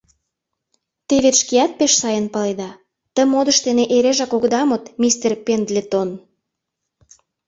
— Те вет шкеат пеш сайын паледа: ты модыш дене эрежак огыда мод, мистер Пендлетон.